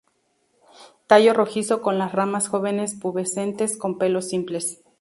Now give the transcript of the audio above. Tallo rojizo con las ramas jóvenes pubescentes con pelos simples.